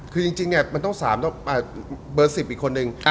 คือจริงมันต้อง๓สิบอีกคนอื่น